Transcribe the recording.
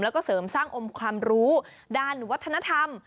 แล้วก็เสริมสร้างอมความรู้ด้านวัฒนธรรม